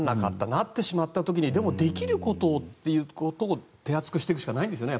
なってしまった時にでも、できることをということを手厚くしていくしかないですね